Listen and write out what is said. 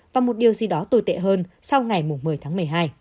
và một điều gì đó tồi tệ hơn sau ngày một mươi tháng một mươi hai